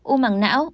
u màng não